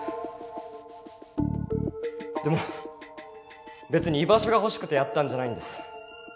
でも別に居場所が欲しくてやったんじゃないんです。